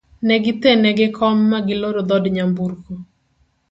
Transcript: negithene gi kom ma giloro dhod nyamburko